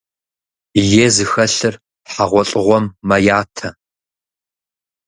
Е зыхэлъыр хьэгъуэлӀыгъуэм мэятэ.